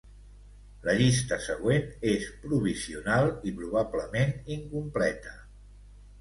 La llista següent és provisional i probablement incompleta.